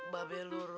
babelur selingkuh lu